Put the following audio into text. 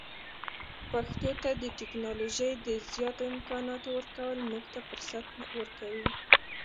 پښتو ته د ټکنالوژۍ د زیاتو امکاناتو ورکول موږ ته فرصت ورکوي.